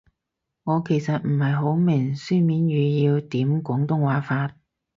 我其實唔係好明書面語要點廣東話法